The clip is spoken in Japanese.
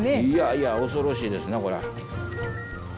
いやいや恐ろしいですなこら。